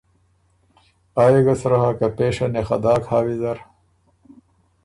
آ يې ګه سرۀ هۀ که پېشه نې خه داک هۀ ویزر۔